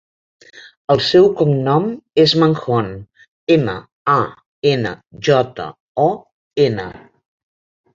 El seu cognom és Manjon: ema, a, ena, jota, o, ena.